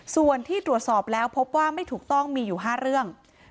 ส่วนที่ตรวจสอบแล้วพบว่าไม่ถูกต้องมีอยู่๕เรื่อง